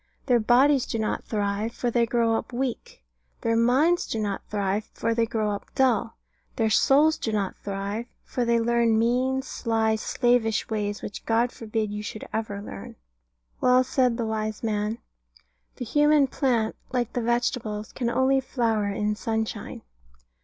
Their bodies do not thrive; for they grow up weak. Their minds do not thrive; for they grow up dull. Their souls do not thrive; for they learn mean, sly, slavish ways, which God forbid you should ever learn. Well said the wise man, "The human plant, like the vegetables, can only flower in sunshine."